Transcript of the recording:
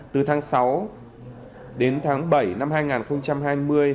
từ tháng sáu đến tháng bảy năm hai nghìn hai mươi